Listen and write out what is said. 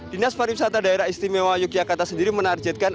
dinas pariwisata daerah istimewa yogyakarta sendiri menargetkan